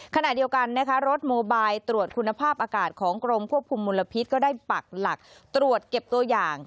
ขณะเดียวกันนะคะรถโมบายตรวจคุณภาพอากาศของกรมควบคุมมลพิษก็ได้ปักหลักตรวจเก็บตัวอย่าง